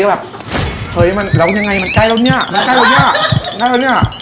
แล้วก็แบบเฮ้ยมันแล้วยังไงมันใกล้แล้วเนี่ยมันใกล้แล้วเนี่ย